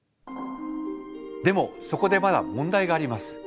でもそこでまだ問題があります。